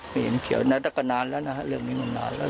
ไม่เห็นเขียวนะแต่ก็นานแล้วนะฮะเรื่องนี้มันนานแล้ว